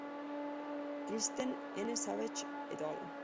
Kristen N. Savage et al.